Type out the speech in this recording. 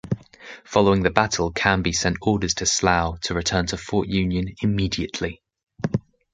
Following the battle, Canby sent orders to Slough to return to Fort Union immediately.